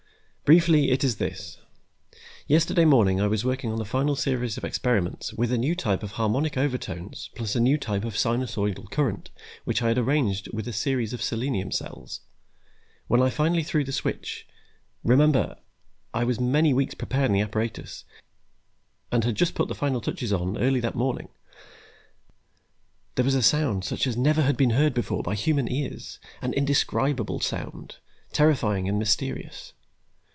Briefly, it is this: yesterday morning I was working on the final series of experiments with a new type of harmonic overtones plus a new type of sinusoidal current which I had arranged with a series of selenium cells. When I finally threw the switch remember, I was many weeks preparing the apparatus, and had just put the final touches on early that morning there was a sound such as never had been heard before by human ears, an indescribable sound, terrifying and mysterious.